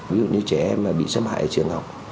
ví dụ như trẻ em mà bị xâm hại ở trường học